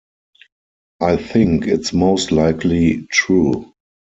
I think it's most likely true.